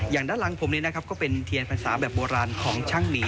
ด้านหลังผมนี้นะครับก็เป็นเทียนพรรษาแบบโบราณของช่างหมี